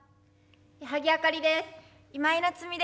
矢作あかりです。